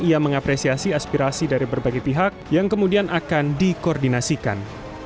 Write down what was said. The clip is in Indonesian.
ia mengapresiasi aspirasi dari berbagai pihak yang kemudian akan dikoordinasikan